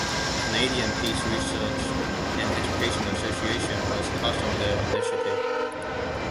The Canadian Peace Research and Education Association was also their initiative.